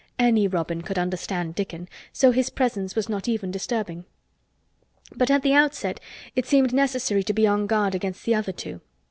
Any robin could understand Dickon, so his presence was not even disturbing. But at the outset it seemed necessary to be on guard against the other two.